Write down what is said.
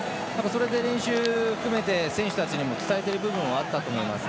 それで練習を含めて選手たちにも伝えているところあったと思います。